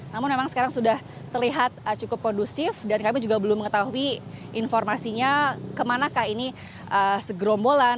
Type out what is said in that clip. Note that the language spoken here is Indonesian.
namun memang sekarang sudah terlihat cukup kondusif dan kami juga belum mengetahui informasinya kemanakah ini segerombolan